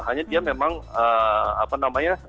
hanya dia memang apa namanya